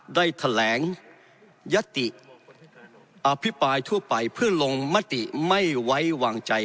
ได้แถลงยติอภิปรายทั่วไปเพื่อลงมติไม่ไว้วางใจ